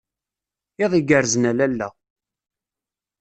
Iḍ igerrzen a lalla.